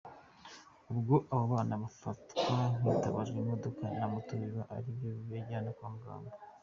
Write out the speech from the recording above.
Ubwo abo bana bafatwaga hitabajwe imodoka na moto biba ari byo bibajyana kwa muganga.